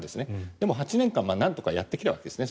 でも８年間なんとかやってきたわけです。